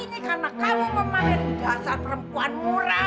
ini karena kamu memamer jasad perempuan murah